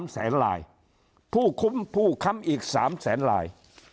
๓แสนลายผู้คุ้มผู้ค้ำอีก๓แสนลาย